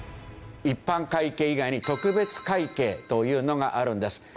一般会計以外に特別会計というのがあるんです。